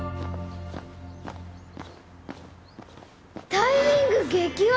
タイミング激悪！